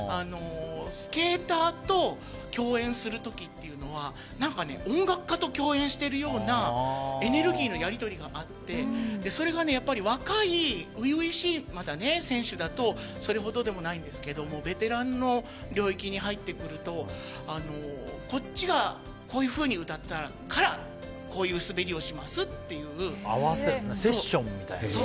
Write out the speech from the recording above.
スケーターと共演する時というのは何か音楽家と共演しているようなエネルギーのやり取りがあってそれがやっぱり若い初々しい選手だとそれほどでもないんですけどベテランの領域に入ってくるとこっちがこういうふうに歌ったからセッションみたいな。